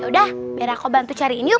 yaudah biar aku bantu cariin yuk